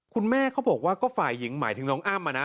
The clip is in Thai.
คุณแม่เขาบอกว่าก็ฝ่ายหญิงหมายถึงน้องอ้ำอะนะ